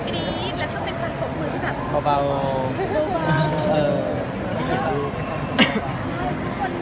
มีโครงการทุกทีใช่ไหม